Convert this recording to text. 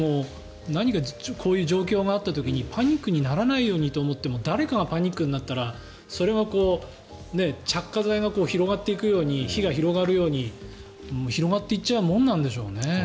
こういう状況があった時にパニックにならないようにと思っても誰かがパニックになったらそれが着火剤が広がっていくように火が広がるように広がっていっちゃうもんなんでしょうね。